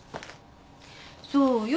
そうよ。